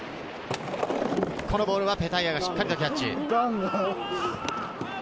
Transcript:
このボールはペタイアがしっかりキャッチ。